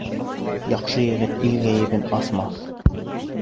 Яҡшы егет ил ғәйебен асмаҫ.